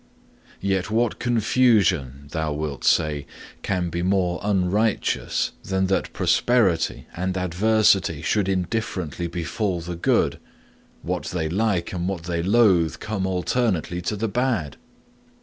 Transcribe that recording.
'"Yet what confusion," thou wilt say, "can be more unrighteous than that prosperity and adversity should indifferently befall the good, what they like and what they loathe come alternately to the bad!"